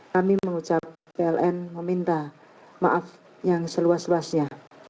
kami mengucap pln meminta maaf yang seluas luasnya